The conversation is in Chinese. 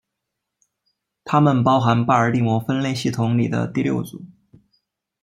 它们包含巴尔的摩分类系统里的第六组。